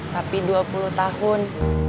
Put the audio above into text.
tapi dua puluh tahun